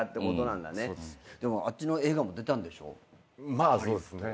まあそうですね。